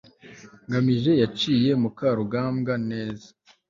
ngamije yaciye mukarugambwa neza